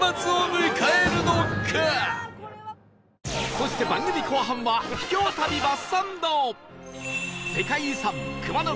そして番組後半は秘境旅バスサンド